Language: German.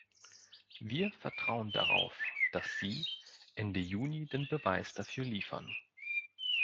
Wir vertrauen darauf, dass Sie Ende Juni den Beweis dafür liefern.